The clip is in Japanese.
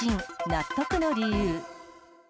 納得の理由。